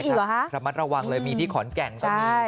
อ๋อมีอีกเหรอฮะระมัดระวังเลยมีที่ขอนแก่งตรงนี้